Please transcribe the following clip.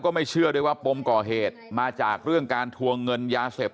ไม่เชื่อด้วยว่าปมก่อเหตุมาจากเรื่องการทวงเงินยาเสพ